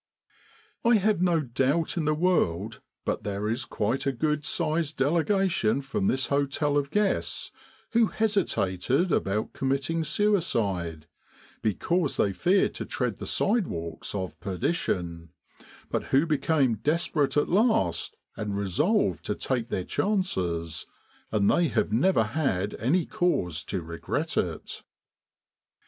I have no doubt in the world but there is quite a good sized delegation from this hotel of guests who hesitated about committing suicide, because they feared to tread the sidewalks of perdition, but who became desperate at last and resolved to take their chances, and they have never had any cause to regret it.